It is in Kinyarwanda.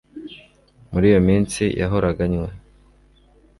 muri iyo minsi yahoraga anywa